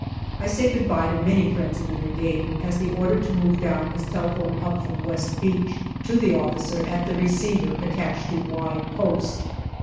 I say good bye to many friends in the Brigade, as the order to move down is telephoned up from West Beach to the officer at the receiver attached to " Y " post.